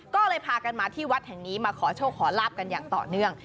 ก็เลยพากันมาที่วัดแห่งนี้มาขอโชคขอลาบกันอย่างต่อเนื่อง